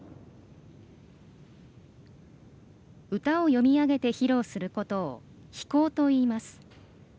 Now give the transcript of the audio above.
歌を詠み上げて披露することを披講といいます。